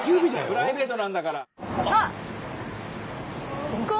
プライベートなんだから！